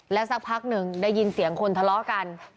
สักพักหนึ่งได้ยินเสียงคนทะเลาะกัน